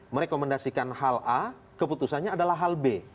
merekomendasikan hal a keputusannya adalah hal b